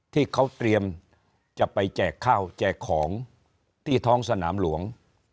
ที่เขาเตรียมจะไปแจกข้าวแจกของที่ท้องสนามหลวง